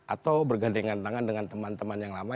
atau bergandengan tangan dengan teman teman yang lama